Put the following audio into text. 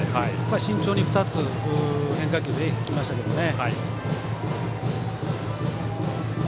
慎重に２つ変化球でいきましたね。